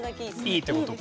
いいってことか。